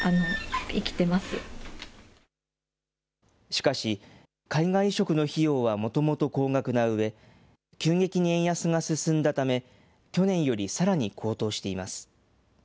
しかし、海外移植の費用はもともと高額なうえ、急激に円安が進んだため、去年よりさらに高騰しています。